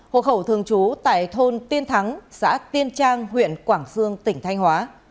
hộ khẩu thường trú tại thôn tiên thắng xã tiên trang huyện quảng sương tỉnh thanh hóa